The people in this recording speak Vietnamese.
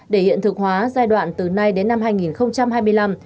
để hiện thực hóa giai đoạn từ nay đến năm hai nghìn hai mươi năm